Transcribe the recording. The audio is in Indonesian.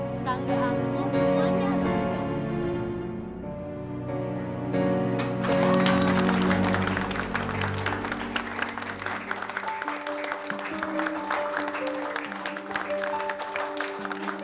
tetangga aku semuanya harus